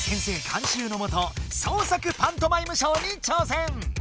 監修のもと創作パントマイムショーに挑戦！